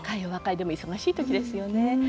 でも忙しい時ですよね。